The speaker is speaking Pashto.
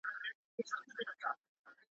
د پال سارتر د روڼ اندی سوګندونه خلک اخلي